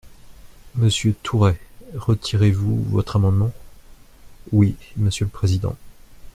Monsieur Tourret, retirez-vous votre amendement ? Oui, monsieur le président.